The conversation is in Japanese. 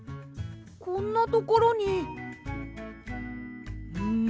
こんなところにんん？